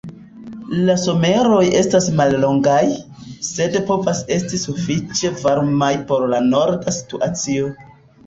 La someroj estas mallongaj, sed povas esti sufiĉe varmaj por la norda situacio.